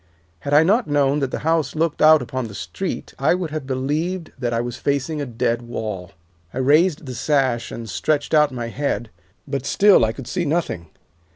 Had I not known that the house looked out upon the street I would have believed that I was facing a dead wall. I raised the sash and stretched out my head, but still I could see nothing.